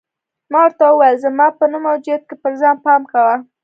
ما ورته وویل: زما په نه موجودیت کې پر ځان پام کوه.